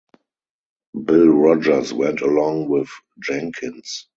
Bill Rodgers went along with Jenkins.